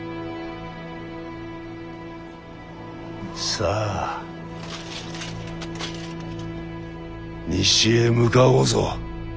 さあ西へ向かおうぞ。